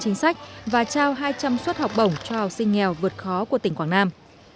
chính sách và trao hai trăm linh suất học bổng cho học sinh nghèo vượt khó của tỉnh quảng nam